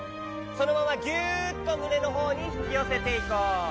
そのままギュっとむねのほうにひきよせていこう。